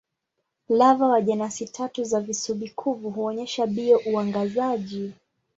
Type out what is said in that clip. Lava wa jenasi tatu za visubi-kuvu huonyesha bio-uangazaji.